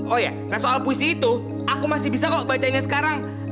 oh ya nah soal puisi itu aku masih bisa kok bacanya sekarang